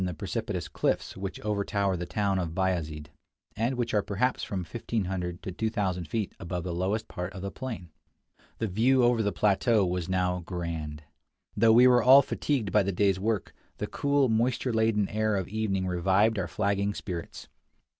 the precipitous cliffs which overtower the town of Bayazid, and which are perhaps from 1500 to 2000 feet above the lowest part of the plain. The view over the plateau was now grand. Though we were all fatigued by the day's work, the cool, moisture laden air of evening revived our flagging spirits.